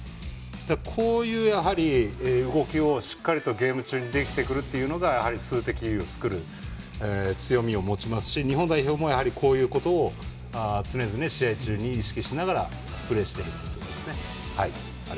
こういう動きを、しっかりとゲーム中にできてくるというのが数的優位を作る強みを持ちますし日本代表もこういうことを常々、試合中に意識しながらプレーしているということですね。